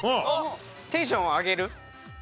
テンションを上げる？